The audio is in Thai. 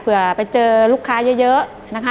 เผื่อไปเจอลูกค้าเยอะนะคะ